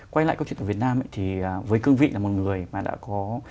quay lại câu chuyện ở việt nam thì với cương vị là một người mà đã có